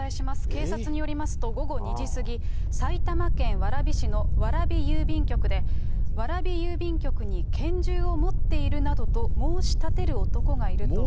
警察によりますと、午後２時過ぎ、埼玉県蕨市の蕨郵便局で、蕨郵便局に拳銃を持っているなどと申し立てる男がいると。